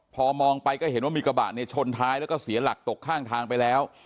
พอมองไปก็เห็นว่ามีกระบะเนี่ยชนท้ายแล้วก็เสียหลักตกข้างทางไปแล้ว